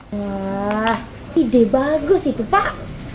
wah ide bagus itu pak